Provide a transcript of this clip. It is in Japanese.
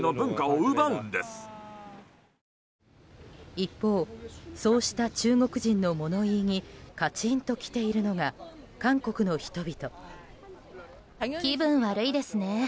一方、そうした中国人の物言いにカチーンときているのが韓国の人々。